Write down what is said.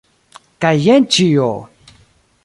Kaj jen ĉio!